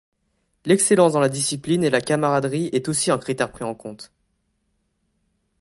L'excellence dans la discipline et la camaraderie est aussi un critère pris en compte.